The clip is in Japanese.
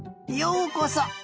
ようこそ！